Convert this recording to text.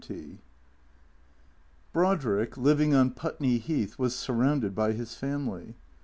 XX BRODRICK, living on Putney Heath, was surrounded by his family.